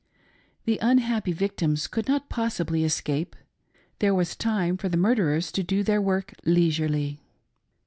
The unhappy victims qould not possibly escape — there was time for the murderers to do their work leisurely.